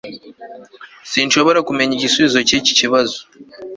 sinshobora kumenya igisubizo cyiki kibazo